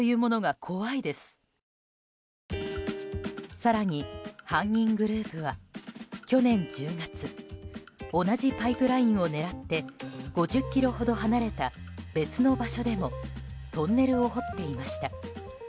更に、犯人グループは去年１０月同じパイプラインを狙って５０ｋｍほど離れた別の場所でもトンネルを掘っていました。